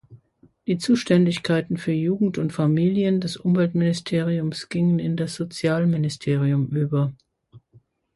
Die Zuständigkeiten für Jugend und Familien des Umweltministeriums gingen in das Sozialministerium über.